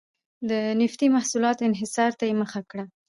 د نفتي محصولاتو انحصار ته یې مخه کړه.